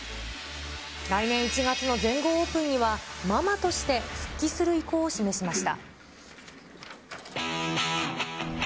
来年１月の全豪オープンには、ママとして復帰する意向を示しました。